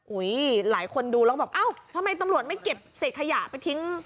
อุ้ยหลายคนดูแล้วบอกเอ้าทำไมตำรวจไม่เก็บเสียขยะไปทิ้ง